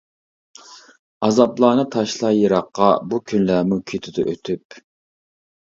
ئازابلارنى تاشلاي يىراققا، بۇ كۈنلەرمۇ كېتىدۇ ئۆتۈپ.